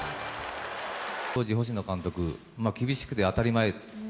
当時、星野監督、厳しくて当たり前。